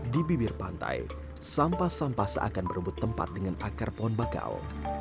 di bibir pantai sampah sampah seakan berebut tempat dengan akar pohon bakau